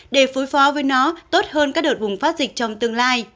để phối phó với nó tốt hơn các đợt bùng phát dịch trong tương lai